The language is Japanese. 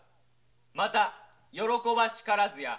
また喜ばしからずや。